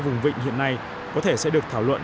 vùng vịnh hiện nay có thể sẽ được thảo luận